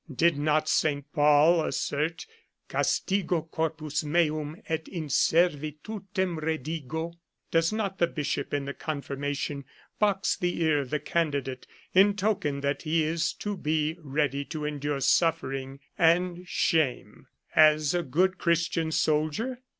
Did not St. Paul assert, " Castigo corpus meum et in siervitutem redigo "? Does not the bishop in confirmation box the ear of the candidate, in token that he is to be ready to endure suffering and shame as a good Christian soldier?